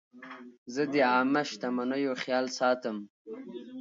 زه د عامه شتمنیو خیال ساتم.